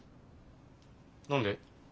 何で？